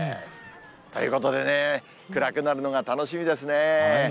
ということでね、暗くなるのが楽しみですね。